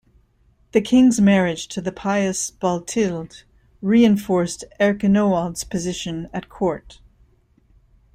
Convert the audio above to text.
The king's marriage to the pious Balthild reinforced Erchinoald's position at court.